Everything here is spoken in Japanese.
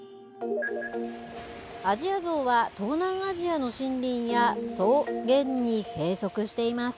アジアゾウは東南アジアの森林や草原に生息しています。